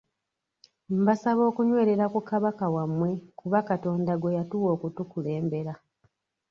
Mbasaba okunywerera ku Kabaka wammwe kuba Katonda gwe yatuwa okutukulembera.